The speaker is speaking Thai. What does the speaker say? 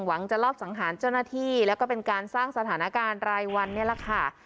หวังจะรอบสังหารเจ้าหน้าที่แล้วก็เป็นการสร้างสถานการณ์รายวันนี่แหละค่ะ